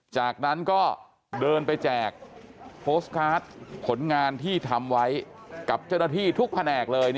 จากนั้นก็เดินไปแจกโพสต์การ์ดผลงานที่ทำไว้กับเจ้าหน้าที่ทุกแผนกเลย